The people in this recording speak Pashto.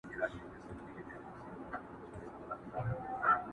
دا د پېړيو اتل مه ورانوی٫